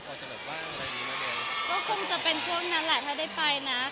พอจะแบบว่าอะไรอย่างนี้ก็คงจะเป็นช่วงนั้นแหละถ้าได้ไปนะ